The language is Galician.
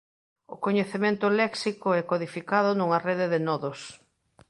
O coñecemento léxico e codificado nunha rede de nodos.